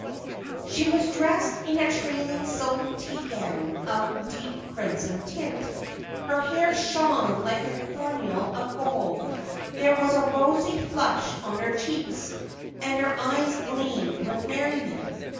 She was dressed in a trailing silken tea gown of a deep crimson tint—her hair shone like a coronal of gold, there was a rosy flush on her cheeks, and her eyes gleamed with merriment.